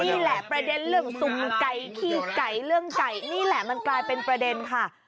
นี่แหละประเด็นเรื่องซุ่มไก่ขี้ไก่เรื่องไก่นี่แหละมันกลายเป็นประเด็นค่ะ